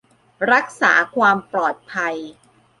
รักษาความปลอดภัย